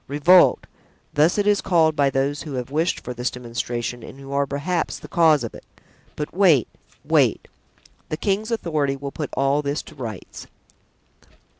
"Revolt! thus it is called by those who have wished for this demonstration and who are, perhaps, the cause of it; but, wait, wait! the king's authority will put all this to rights."